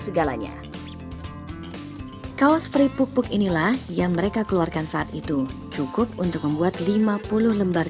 segalanya kaos free pupuk puk inilah yang mereka keluarkan saat itu cukup untuk membuat lima puluh lembar